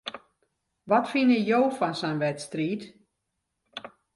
Wat fine jo fan sa'n wedstriid?